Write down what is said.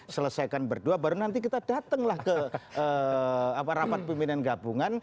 selesaikan berdua baru nanti kita datanglah ke rapat pimpinan gabungan